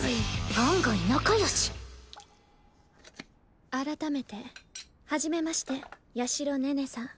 案外仲良し改めて初めまして八尋寧々さん